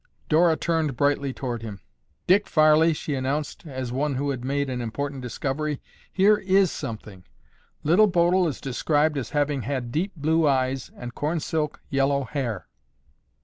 Dora turned brightly toward him. "Dick Farley," she announced, as one who had made an important discovery, "here is something! Little Bodil is described as having had deep blue eyes and cornsilk yellow hair."